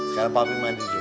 sekarang papi mandi dulu